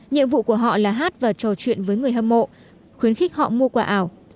nhiệm vụ của họ là hát và trò chuyện với người hâm mộ khuyến khích họ mua quả ảo